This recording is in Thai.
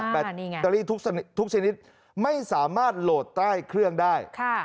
แบตเตอรี่ทุกชนิดไม่สามารถโหลดใต้เครื่องได้